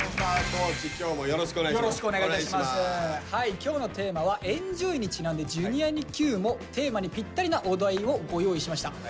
今日のテーマは「ＥＮＪＯＹ」にちなんで「Ｊｒ．にＱ」もテーマにぴったりなお題をご用意しました。